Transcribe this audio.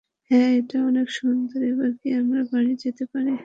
হ্যাঁ, এটা অনেক সুন্দর, এবার কি আমরা বাড়ি যেতে পারি?